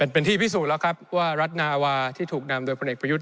เป็นที่พิสูจน์แล้วครับว่ารัฐนาวาที่ถูกนำโดยพลเอกประยุทธ์